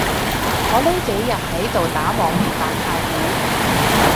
我呢幾日喺度打網頁版太鼓